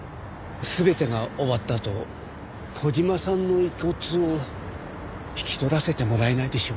全てが終わったあと小島さんの遺骨を引き取らせてもらえないでしょうか？